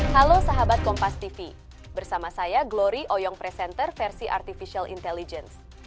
halo sahabat kompas tv bersama saya glory oyong presenter versi artificial intelligence